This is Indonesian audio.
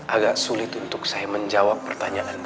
agak sulit untuk saya menjawab pertanyaan